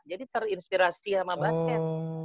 jadi terinspirasi sama basket